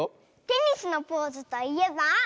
テニスのポーズといえば？